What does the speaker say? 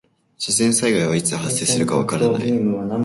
自然災害はいつ発生するかわからない。